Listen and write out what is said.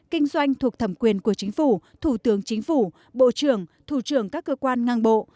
kinh doanh thuộc thẩm quyền của chính phủ thủ tướng chính phủ bộ trưởng thủ trưởng các cơ quan ngang bộ